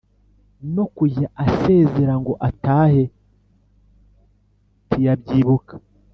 no kujya asezera ngo atahe ntiyabyibuka.